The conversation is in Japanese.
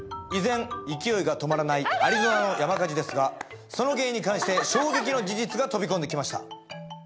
依然勢いが止まらないアリゾナの山火事ですがその原因に関して衝撃の事実が飛び込んできました